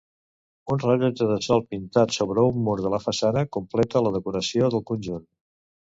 Un rellotge de sol pintat sobre mur de la façana completa la decoració del conjunt.